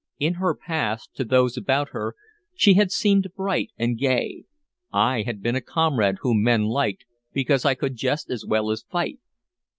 In her past, to those about her, she had seemed bright and gay; I had been a comrade whom men liked because I could jest as well as fight.